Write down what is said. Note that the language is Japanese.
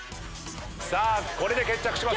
これで決着します